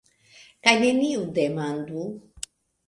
Kaj neniu demandu.